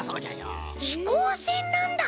ひこうせんなんだ！